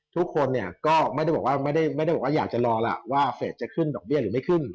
ทุกคนเนี่ยก็ไม่ได้บอกว่าอยากจะรอแล้วว่าเฟสจะขึ้นดอกเบี้ยหรือไม่ขึ้น